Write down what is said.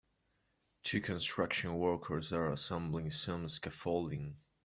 Two construction workers are assembling some scaffolding.